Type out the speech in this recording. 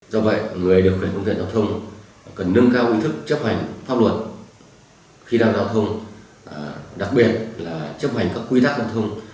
du xuân cầu lộc cầu an